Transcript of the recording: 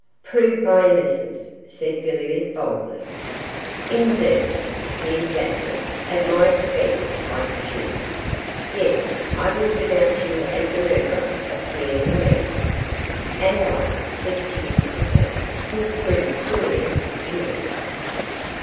'Prove my innocence,' said Villiers, boldly. 'Indeed!' sneered Gaston, 'at my expense, I presume.' 'Yes! I will denounce you as the murderer of Pierre Lemaire.' 'And I,' said Kitty, quickly, 'will prove Villiers' innocence.